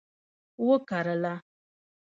وکرله